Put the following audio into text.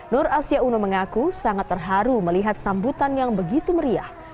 nur asia uno mengaku sangat terharu melihat sambutan yang begitu meriah